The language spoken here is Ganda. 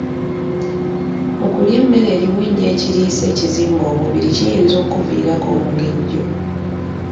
Okulya emmere erimu ennyo ekiriisa ekizimba omubiri kiyinza okkuviirako omugejjo.